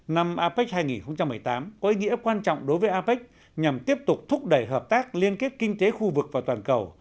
năm apec hai nghìn một mươi tám có ý nghĩa quan trọng đối với apec nhằm tiếp tục thúc đẩy hợp tác liên kết kinh tế khu vực và toàn cầu